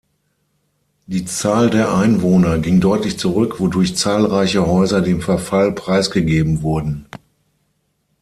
Die Zahl der Einwohner ging deutlich zurück, wodurch zahlreiche Häuser dem Verfall preisgegeben wurden.